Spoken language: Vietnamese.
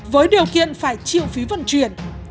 với điều kiện phải chịu phí vận chuyển